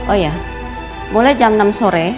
oh ya mulai jam enam sore